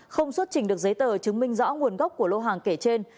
không xuất trình được giấy tờ chứng minh rõ nguồn gốc của lô hàng kể trên